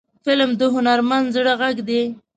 فلم د هنرمند زړه غږ دی